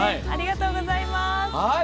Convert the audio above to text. ありがとうございます。